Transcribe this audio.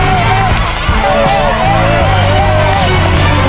เร็วเร็วเร็ว